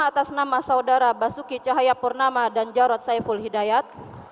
atas nama saudara basuki cahayapurnama dan jarod saiful hidayat